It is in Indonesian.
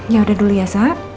ya udah dulu ya sah